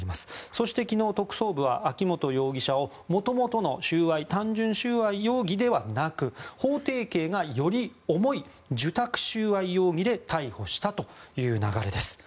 そして昨日、特捜部は秋本容疑者をもともとの単純収賄容疑ではなく法定刑がより重い受託収賄容疑で逮捕したという流れです。